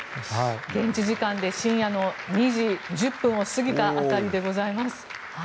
現地時間で深夜の２時１０分を過ぎた辺りです。